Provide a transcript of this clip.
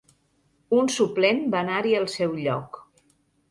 Un suplent va anar-hi al seu lloc.